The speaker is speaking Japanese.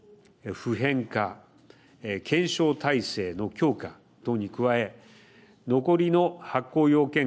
普遍化、検証体制の強化等に加え残りの発効要件